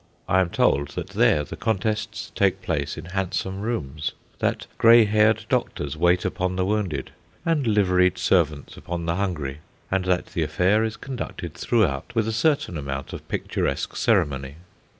I am told that there the contests take place in handsome rooms; that grey haired doctors wait upon the wounded, and liveried servants upon the hungry, and that the affair is conducted throughout with a certain amount of picturesque ceremony.